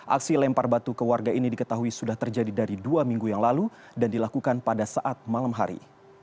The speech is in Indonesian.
aksi lempar batu ke warga ini diketahui sudah terjadi dari dua minggu yang lalu dan dilakukan pada saat malam hari